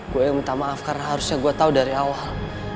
gue yang minta maaf karena harusnya gue tahu dari awal